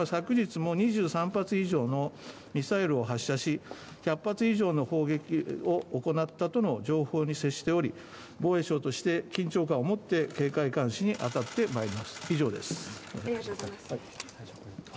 また北朝鮮が昨日も２３発以上のミサイルを発射し、１００発以上の砲撃を行ったとの情報に接しており、防衛省として緊張感をもって、警戒・監視にあたります、以上です。